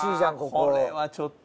これはちょっと。